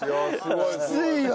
きついわ！